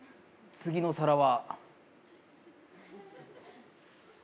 次の皿は？